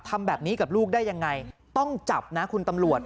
ทำแบบนี้กับลูกได้ยังไงต้องจับนะคุณตำรวจ